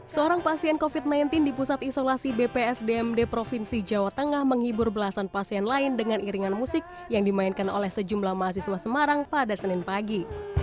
seorang pasien covid sembilan belas di pusat isolasi bpsdmd provinsi jawa tengah menghibur belasan pasien lain dengan iringan musik yang dimainkan oleh sejumlah mahasiswa semarang pada senin pagi